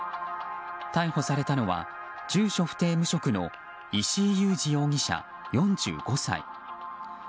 逮捕されたのは住所不定・無職の石井雄治容疑者、４５歳。